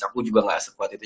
aku juga gak sekuat itu